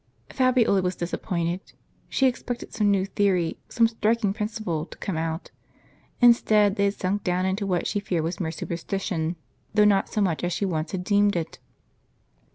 Fabiola was disappointed. She expected some new theory, some striking principle, to come out. Instead, they had sunk down into what she feared was mere superstition, though not so much as she once had deemed it.